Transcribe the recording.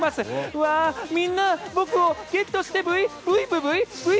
うわあ、みんな僕をゲットしてブイ。